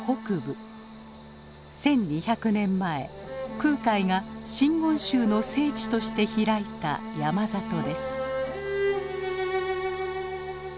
１，２００年前空海が真言宗の聖地として開いた山里です。